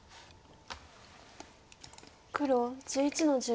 黒１１の十二。